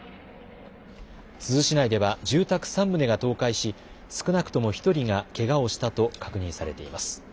珠洲市内では住宅３棟が倒壊し少なくとも１人がけがをしたと確認されています。